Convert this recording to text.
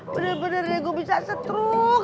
benar benar gue bisa setruk